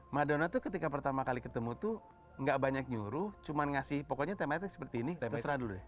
madonna itu ketika pertama kali ketemu itu nggak banyak nyuruh cuma ngasih pokoknya tematik seperti ini terserah dulu deh